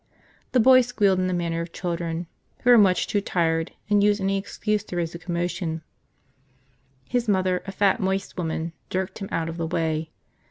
The boy squealed in the manner of children who are much too tired and use any excuse to raise a commotion. His mother, a fat, moist woman, jerked him out of the way.